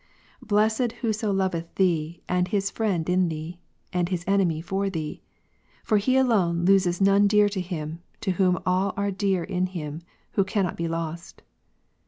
Blessed whoso loveth Thee, and his friend in Thee, and his enemy for Thee. For he alone loses none dear to him, to whom all are dear in Him Who cannot Gen. 2, be lost.